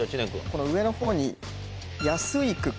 この上のほうに。